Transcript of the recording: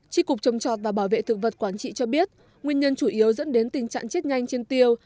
tri cục trồng chọt và bảo vệ thực vật quảng trị cho biết nguyên nhân chủ yếu dẫn đến tình trạng chết nhanh trên tiêu